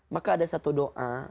maka ada satu doa